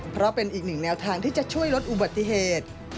เพราะเป็นอีกหนึ่งแนวทางที่จะช่วยลดอุบัติเหตุ